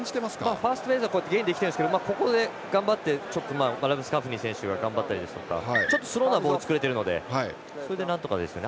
ファーストはゲインできてるんですけどラブスカフニ選手が頑張ったりとかちょっとスローなボールを作れてるのでそれでなんとかですね。